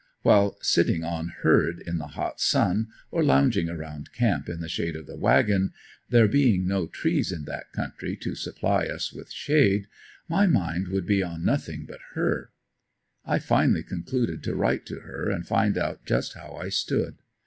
While sitting "on herd" in the hot sun, or lounging around camp in the shade of the wagon there being no trees in that country to supply us with shade my mind would be on nothing but her. I finally concluded to write to her and find out just how I stood.